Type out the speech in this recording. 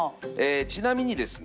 ちなみにですね